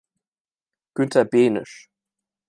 Günther Behnisch